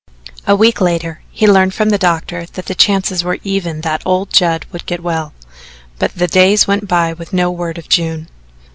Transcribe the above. A week later he learned from the doctor that the chances were even that old Judd would get well, but the days went by with no word of June.